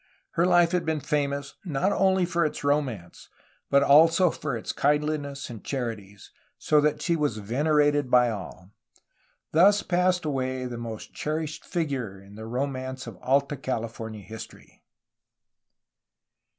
Her life had been famous not only for its romance but also for its kindliness and charities, so that she was venerated by all. Thus passed away the most cherished figure in the romance of Alta California his tory.